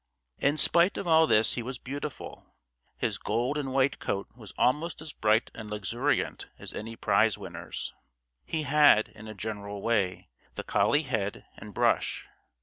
In spite of all this he was beautiful. His gold and white coat was almost as bright and luxuriant as any prize winner's. He had, in a general way, the collie head and brush.